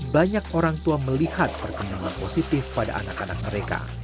banyak orang tua melihat perkembangan positif pada anak anak mereka